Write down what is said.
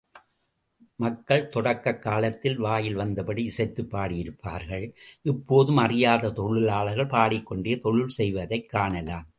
மக்கள் தொடக்கக் காலத்தில் வாயில் வந்தபடி இசைத்துப் பாடியிருப்பார்கள், இப்போதும் அறியாத தொழிலாளர்கள் பாடிக்கொண்டே தொழில் செய்வதைக் காணலாம்.